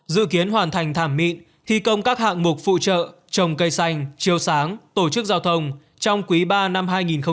dự kiến hoàn thành thảm mịn thi công các hạng mục phụ trợ trồng cây xanh chiều sáng tổ chức giao thông trong quý ba năm hai nghìn hai mươi